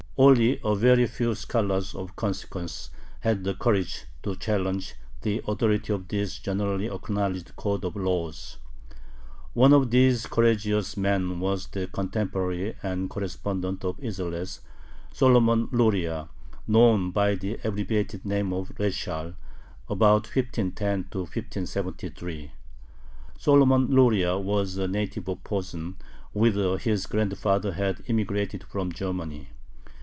Only very few scholars of consequence had the courage to challenge the authority of this generally acknowledged code of laws. One of these courageous men was the contemporary and correspondent of Isserles, Solomon Luria, known by the abbreviated name of ReSHaL (ab. 1510 1573). Solomon Luria was a native of Posen, whither his grandfather had immigrated from Germany.